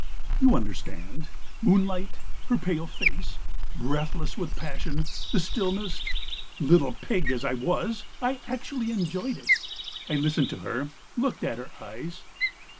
"You understand, moonlight, her pale face, breathless with passion, the stillness ... little pig as I was I actually enjoyed it. I listened to her, looked at her eyes.